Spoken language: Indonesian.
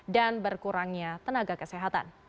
dan berkurangnya tenaga kesehatan